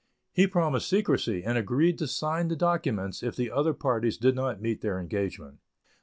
He promised secrecy, and agreed to sign the documents if the other parties did not meet their engagement.